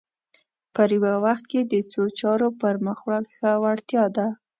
په یوه وخت کې د څو چارو پر مخ وړل ښه وړتیا ده